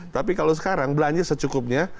tapi kalau sekarang belanja secukupnya